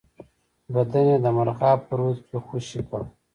بدن یې د مرغاب په رود کې خوشی کړ.